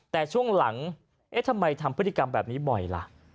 แต่ช่วงหลังเอ๊ะทำไมทำพฤติกรรมแบบนี้บ่อยล่ะ